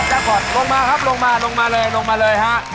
เอาถึงรอบแก่ขอดลงมาครับลงมาลงมาเลยลงมาเลยฮะ